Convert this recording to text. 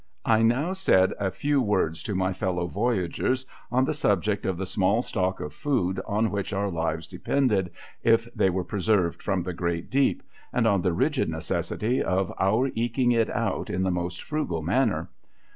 I now said a few words to my fellow voyagers on the subject of the small stock of food on which our lives depended if they were preserved from the great deep, and on the rigid necessity of our eking it out in the most frugal manner.